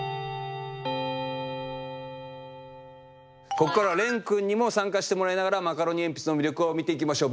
ここからはれんくんにも参加してもらいながらマカロニえんぴつの魅力を見ていきましょう。